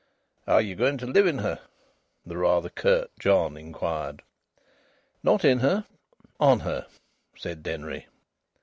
"Are ye going to live in her?" the rather curt John inquired. "Not in her. On her," said Denry.